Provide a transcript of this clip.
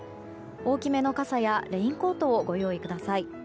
大きめの傘やレインコートをご用意ください。